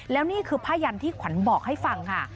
แล้วนี่คือผ้ายันที่ขวัญบอกให้ฟังค่ะ